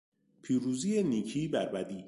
پیروزی نیکی بر بدی